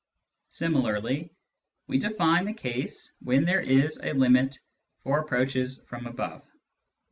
Similarly we define the case when there is a limit for approaches from above.